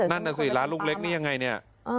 นั่นน่ะสิร้านลูกเล็กนี่ยังไงเนี่ย